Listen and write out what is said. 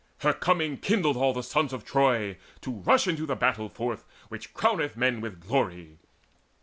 Her coming kindled all the sons Of Troy to rush into the battle forth Which crowneth men with glory.